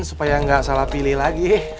supaya nggak salah pilih lagi